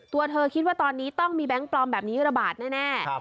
ตัวเธอคิดว่าตอนนี้ต้องมีแบงค์ปลอมแบบนี้ระบาดแน่